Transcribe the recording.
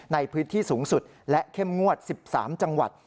ในพื้นที่สูงสุดและเข้มงวด๑๓จังหวัด